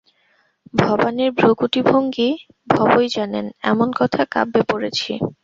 ভবানীর ভ্রূকুটিভঙ্গি ভবই জানেন, এমন কথা কাব্যে পড়েছি।